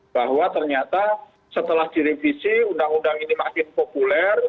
bahwa ternyata setelah direvisi undang undang ini makin populer